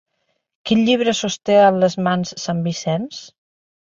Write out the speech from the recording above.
Quin llibre sosté en les mans sant Vicenç?